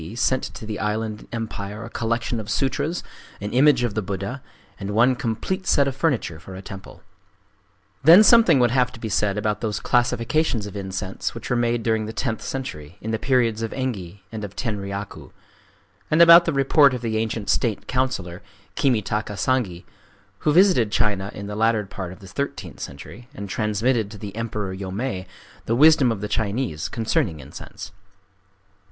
D., sent to the island empire a collection of sutras, an image of the Buddha, and one complete set of furniture for a temple. Then something would have to be said about those classifications of incense which were made during the tenth century, in the periods of Engi and of Tenryaku,—and about the report of the ancient state councillor, Kimitaka Sangi, who visited China in the latter part of the thirteenth century, and transmitted to the Emperor Yomei the wisdom of the Chinese concerning incense.